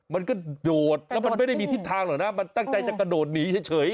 โดดแล้วมันไม่ได้มีทิศทางหรอกนะมันตั้งใจจะกระโดดหนีเฉย